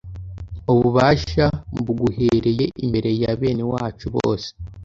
ububasha mbuguhereye imbere ya bene wacu bose